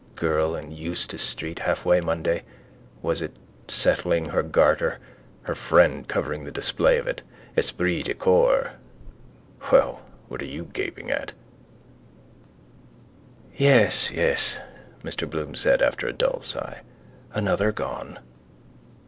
Girl in Eustace street hallway Monday was it settling her garter. Her friend covering the display of. Esprit de corps. Well, what are you gaping at? —Yes, yes, Mr Bloom said after a dull sigh. Another gone.